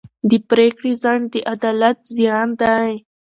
د پرېکړې ځنډ د عدالت زیان دی.